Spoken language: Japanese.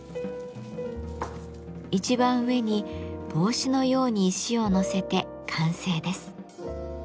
一番上に帽子のように石を載せて完成です。